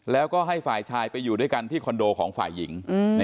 แล้วก็ให้ฝ่ายชายไปอยู่ด้วยกันที่คอนโดของฝ่ายหญิง